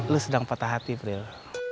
lu sedang patah hati aprile